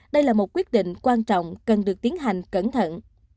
đây là một quyết định quan trọng cần được tiến hành cẩn thận